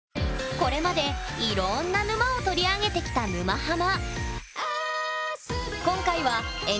これまでいろんな沼を取り上げてきた「沼ハマ」。